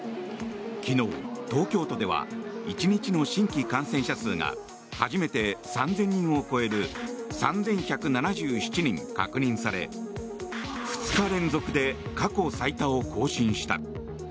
昨日、東京都では１日の新規感染者数が初めて３０００人を超える３１７７人確認され２日連続で過去最多を更新した。